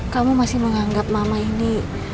kamu masih menganggap mama ini